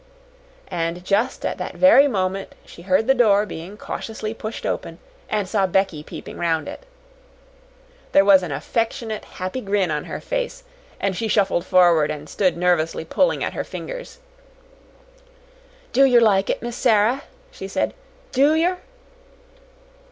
And just at that very moment she heard the door being cautiously pushed open and saw Becky peeping round it. There was an affectionate, happy grin on her face, and she shuffled forward and stood nervously pulling at her fingers. "Do yer like it, Miss Sara?" she said. "Do yer?"